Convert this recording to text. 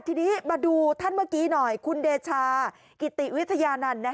ทีนี้มาดูท่านเมื่อกี้หน่อยคุณเดชากิติวิทยานันต์